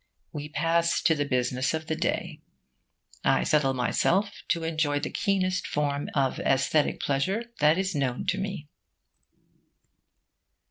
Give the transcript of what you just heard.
We pass to the business of the day. I settle myself to enjoy the keenest form of aesthetic pleasure that is known to me.